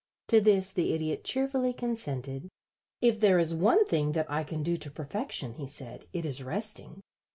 To this the Idiot cheerfully consented. "If there is one thing that I can do to perfection," he said, "it is resting.